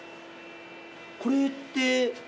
これって。